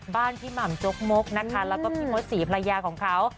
บ้านพี่หม่ำจกมกนะคะแล้วก็พี่มดสีพลายาของเขา